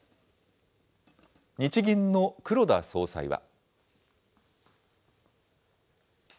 日銀の黒田総裁は。